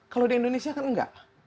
kalau di indonesia kan enggak